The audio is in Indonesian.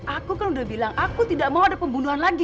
aku kan udah bilang aku tidak mau ada pembunuhan lagi